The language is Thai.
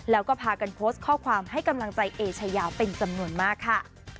แล้วก็พากันโพสต์ข้อความให้กำลังใจเอเชยาเป็นจำนวนมากค่ะ